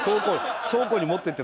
倉庫に持っていって。